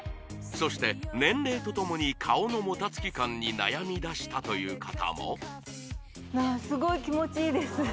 そして年齢とともに顔のもたつき感に悩みだしたという方もあっすごい気持ちいいです